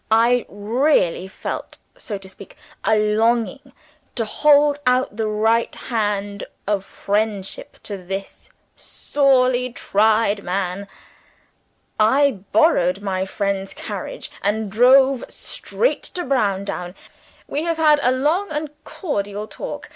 I really felt, so to speak, a longing to hold out the right hand of friendship to this sorely tried man. I borrowed my friend's carriage, and drove straight to Browndown. We have had a long and cordial talk.